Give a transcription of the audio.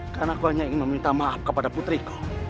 karena aku hanya ingin meminta maaf kepada putriku